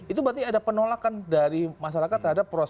itu berarti ada penolakan dari masyarakat